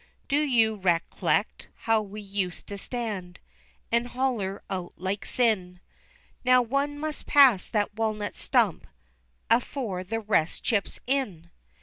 Do you rec'lect how we used to stand An' holler out like sin, "Now one must pass that walnut stump Afore the rest chips in?"